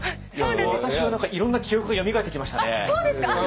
私は何かいろんな記憶がよみがえってきましたね。